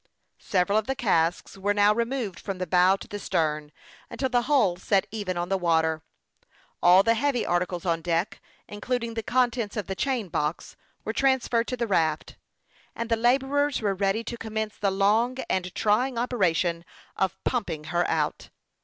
Several of the casks were now removed from the bow to the stern, until the hull sat even on the water. All the heavy articles on deck, including the contents of the " chain box," were transferred to the raft, and the laborers were ready to commence the long and trying operation of pumping her out.